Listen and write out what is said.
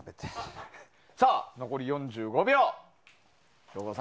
さあ残り４５秒。